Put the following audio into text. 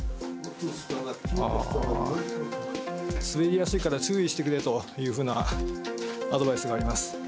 滑りやすいから注意してくれというようなアドバイスがあります。